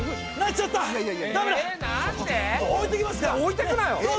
いや置いてくなよ！